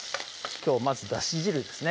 きょうまずだし汁ですね